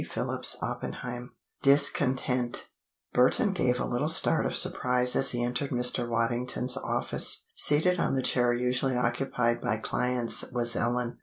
CHAPTER XXV DISCONTENT Burton gave a little start of surprise as he entered Mr. Waddington's office. Seated on the chair usually occupied by clients, was Ellen.